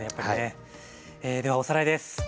ではおさらいです。